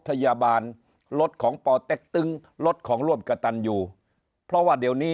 พยาบาลรถของปเต็กตึงรถของร่วมกระตันอยู่เพราะว่าเดี๋ยวนี้